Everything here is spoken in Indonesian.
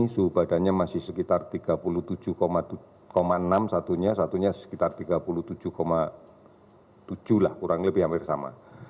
suhu badannya masih sekitar tiga puluh tujuh enam satunya satunya sekitar tiga puluh tujuh tujuh lah kurang lebih hampir sama